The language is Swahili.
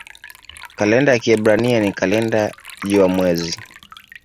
Kalenda ya Kiebrania ni kalenda jua-mwezi.